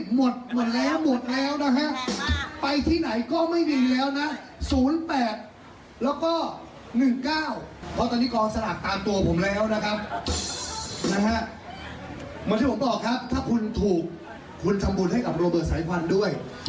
เหมือนที่ผมบอกครับถ้าคุณถูกคุณทำพฤติให้กับโรเบิร์ตสายควันด้วย